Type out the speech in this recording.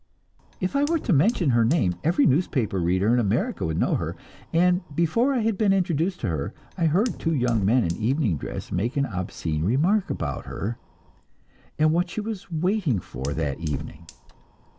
If I were to mention her name, every newspaper reader in America would know her; and before I had been introduced to her, I heard two young men in evening dress make an obscene remark about her, and what she was waiting for that evening.